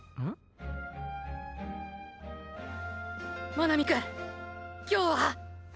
真波くん今日は。